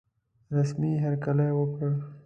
رسمي هرکلی وکړ.